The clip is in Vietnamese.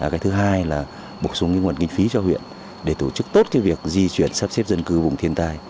cái thứ hai là bổ sung nguồn kinh phí cho huyện để tổ chức tốt cái việc di chuyển sắp xếp dân cư vùng thiên tai